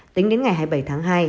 tính đến ngày hai mươi bảy tháng hai